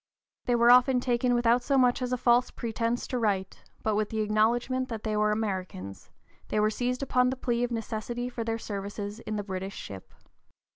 They were often taken without so much as a false pretence to right; but with the acknowledgment that they were Americans, they were seized upon the plea of a necessity for their services in the British ship.